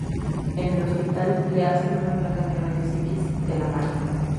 En el hospital, le hacen una placa de rayos X de la mano.